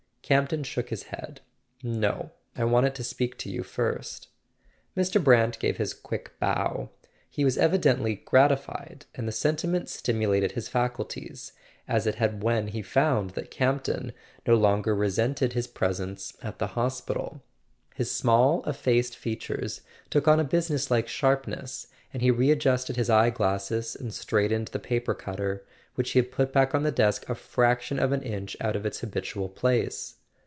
Campton shook his head. "No; I wanted to speak to you first." Mr. Brant gave his quick bow. He was evidently gratified, and the sentiment stimulated his faculties, as it had when he found that Campton no longer re¬ sented his presence at the hospital. His small effaced features took on a business like sharpness, and he re¬ adjusted his eye glasses and straightened the paper cutter, which he had put back on the desk a fraction of an inch out of its habitual place.